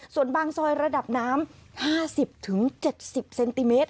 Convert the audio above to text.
ส่วนบางซอยระดับน้ำ๕๐๗๐เซนติเมตร